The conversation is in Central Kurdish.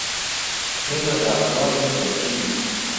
ئێمە داوخوازین دهچین